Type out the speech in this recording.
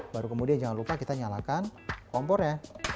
baru kemudian jangan lupa kita nyalakan kompornya